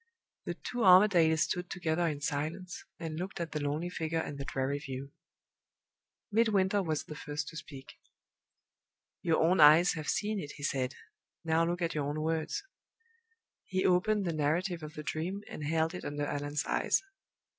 The two Armadales stood together in silence, and looked at the lonely figure and the dreary view. Midwinter was the first to speak. "Your own eyes have seen it," he said. "Now look at our own words." He opened the narrative of the Dream, and held it under Allan's eyes.